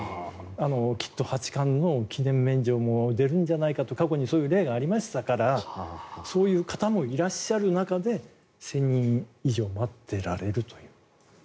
きっと八冠の記念免状も出るんじゃないかと過去にそういう例がありましたからそういう方もいらっしゃる中で１０００人以上待っておられるという。